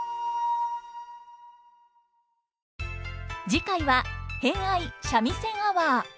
次回は「偏愛三味線アワー」。